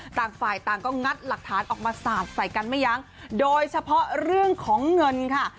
ต่างฝ่ายต่างก็งัดหลักฐานออกมาสาดใส่กันไม่ยั้งโดยเฉพาะเรื่องของเงินค่ะ